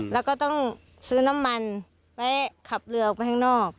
แล้วก็ต้องซื้อน้ำมันไว้ขับเรือออกไปข้างนอก